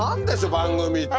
番組って。